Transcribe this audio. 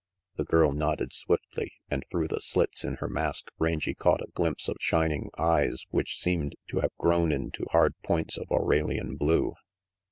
The girl nodded swiftly and through the slits in her mask Rangy caught a glimpse of shining eyes which seemed to have grown into hard points of aurelian blue.